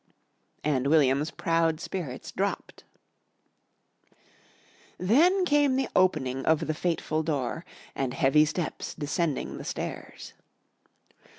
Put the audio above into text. And William's proud spirits dropped. Then came the opening of the fateful door and heavy steps descending the stairs.